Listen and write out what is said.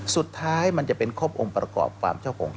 สุดท้ายมันจะเป็นครบอมประกอบความเจ้าผง